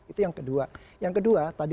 itu yang kedua yang kedua tadi